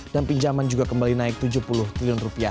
dan pinjaman juga kembali naik rp tujuh puluh triliun